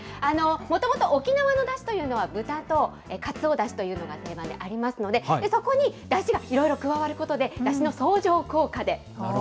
もともと沖縄のだしというのは、豚とかつおだしというのが定番でありますので、そこにだしがいろいろ加わることで、だしの相乗効